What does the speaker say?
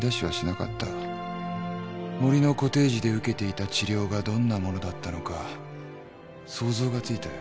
森のコテージで受けていた治療がどんなものだったのか想像がついたよ。